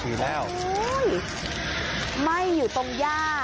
ไหม้อยู่ตรงย่า